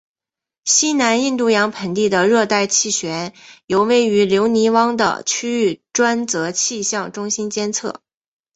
西南印度洋盆地的热带气旋由位于留尼汪的区域专责气象中心监测。